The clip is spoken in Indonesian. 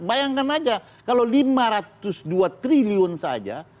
bayangkan aja kalau lima ratus dua triliun saja